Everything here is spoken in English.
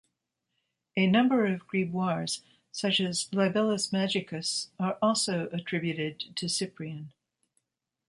A number of grimoires, such as "Libellus Magicus" are also attributed to Cyprian.